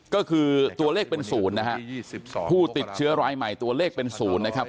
ก็คือตัวเลขเป็น๐นะครับผู้ติดเชื้อร้ายใหม่ตัวเลขเป็น๐นะครับ